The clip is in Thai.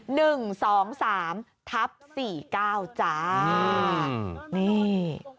หนึ่งสองสามทับสี่เก้าจ้าอืมนี่